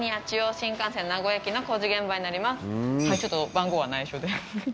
こちらちょっと番号は内緒で。